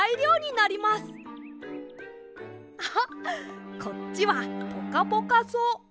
あっこっちはポカポカそう！